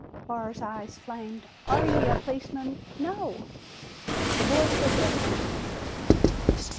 Barr's eyes flamed. "Are ye a policeman?" "No!" "The boy said different."